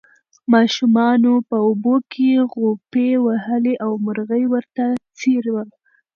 ماشومانو په اوبو کې غوپې وهلې او مرغۍ ورته ځیر وه.